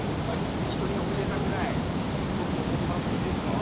人には教えたくないスポット教えてもらってもいいですか？